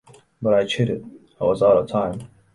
But I cheated, I was out of time.